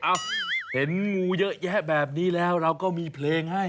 เห็นงูเยอะแยะแบบนี้แล้วเราก็มีเพลงให้